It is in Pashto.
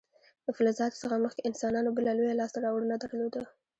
د فلزاتو څخه مخکې انسانانو بله لویه لاسته راوړنه درلوده.